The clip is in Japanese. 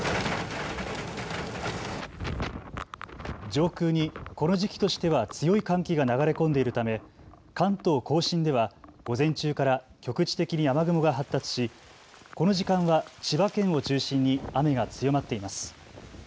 上空にこの時期としては強い寒気が流れ込んでいるため関東甲信では午前中から局地的に雨雲が発達しこの時間は千葉県を中心に雨が強まっています。